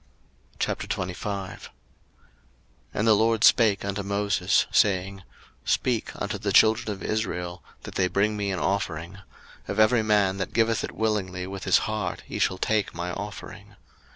02:025:001 And the LORD spake unto Moses, saying, 02:025:002 Speak unto the children of Israel, that they bring me an offering: of every man that giveth it willingly with his heart ye shall take my offering.